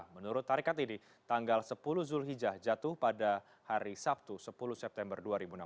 menurut tarikat ini tanggal sepuluh zulhijjah jatuh pada hari sabtu sepuluh september dua ribu enam belas